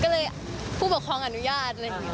ก็เลยก็คลิกว่าความอนุญาตเลย